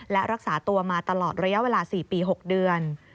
และรักษาตัวมาตลอดระยะเวลา๔ปี๖เดือน